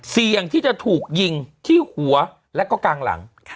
เสี่ยงที่จะถูกยิงที่หัวและก็กลางหลัง